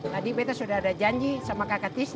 tadi bete sudah ada janji sama kakak tisna